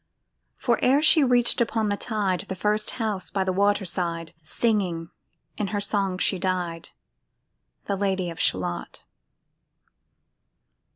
For ere she reached upon the tide The first house by the water side, Singing in her song she died, The Lady of Shalott.